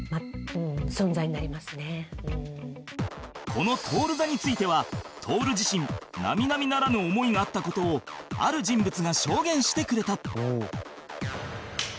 この徹座については徹自身並々ならぬ思いがあった事をある人物が証言してくれた